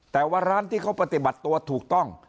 แต่ว่าร้านที่เขาปฏิบัติตัวถูกต้อง